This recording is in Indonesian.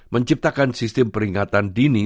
menciptakan sistem peringatan dini